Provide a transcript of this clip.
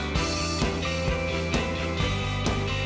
ผมต้องเป็นผู้งาน